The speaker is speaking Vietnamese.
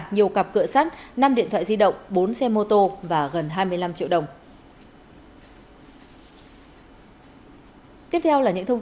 nhiều cặp cửa sát năm điện thoại di động bốn xe mô tô và gần hai mươi năm triệu đồng